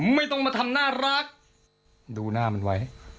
ไม่ต้องมาทำน่ารักดูหน้ามันไว้